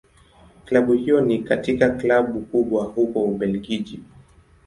Klabu hiyo ni katika Klabu kubwa huko Ubelgiji.